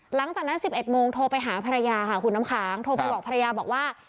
หลังจากนั้นสิบเอ็ดโมงโทรไปหาภรรยาค่ะคุณน้ำค้างโทรไปบอกภรรยาบอกว่า